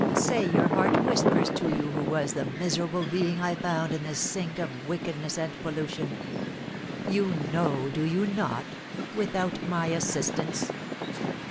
Say your heart whispers to you who was the miserable being I found in this sink of wickedness and pollution! You know, do you not, without my assistance?"